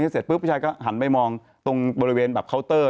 เสร็จปุ๊บผู้ชายก็หันไปมองตรงบริเวณแบบเคาน์เตอร์